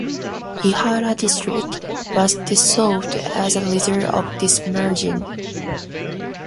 Ihara District was dissolved as a result of this merger.